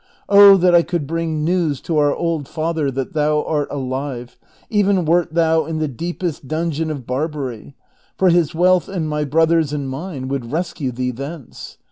Oh that I could bring news to our old father that thou art alive, even wert thou in the deepest dun geon of Barbary ; for his wealth and my brother's and mine would rescue thee thence